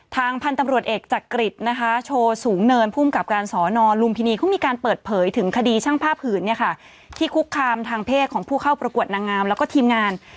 ทางพันธุ์ตำรวจเอกจากกริจโชว์สูงเนินผู้มีการเปิดเผยถึงคดีช่างภาพหืนที่คุกคามทางเพศของผู้เข้าประกวดนางงามและทีมงาน